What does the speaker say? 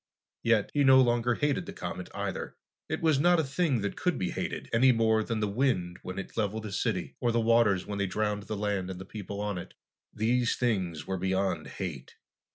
Yet, he no longer hated the comet, either. It was not a thing that could be hated, any more than the wind when it leveled a city, or the waters when they drowned the land and the people on it. These things were beyond hate.